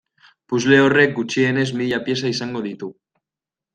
Puzzle horrek gutxienez mila pieza izango ditu.